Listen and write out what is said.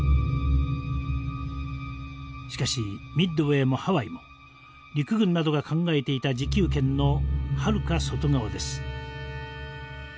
しかしミッドウェーもハワイも陸軍などが考えていた自給圏のはるか外側です。